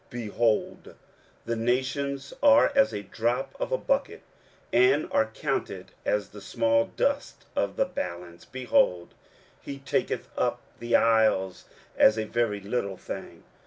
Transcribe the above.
23:040:015 Behold, the nations are as a drop of a bucket, and are counted as the small dust of the balance: behold, he taketh up the isles as a very little thing.